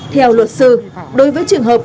theo luật sư đối với trường hợp